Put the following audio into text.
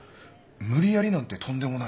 無理やりなんてとんでもない。